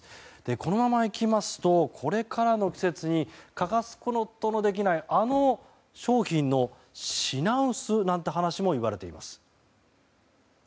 このままいきますとこれからの季節に欠かすことのできないあの商品の品薄なんて話もいわれています。